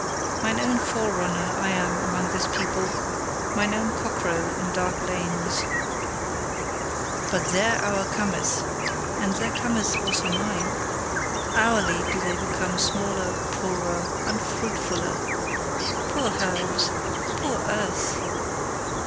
Mine own forerunner am I among this people, mine own cockcrow in dark lanes. But THEIR hour cometh! And there cometh also mine! Hourly do they become smaller, poorer, unfruitfuller, poor herbs! poor earth!